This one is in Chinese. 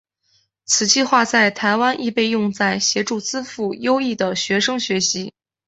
此计画在台湾亦被用在协助资赋优异的学生学习。